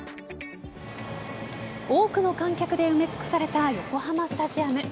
多くの観客で埋め尽くされた横浜スタジアム。